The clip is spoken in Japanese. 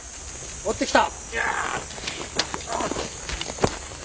追ってきた。